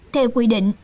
theo quy định